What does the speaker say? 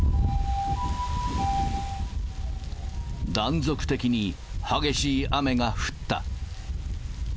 断続的に激しい雨が降った。